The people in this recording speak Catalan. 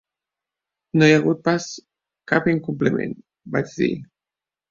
"No hi ha hagut pas cap incompliment", vaig dir.